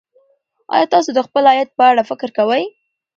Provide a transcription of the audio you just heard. ایا تاسو د خپل عاید په اړه فکر کوئ.